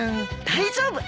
大丈夫。